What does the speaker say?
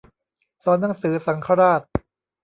สอนหนังสือสังฆราช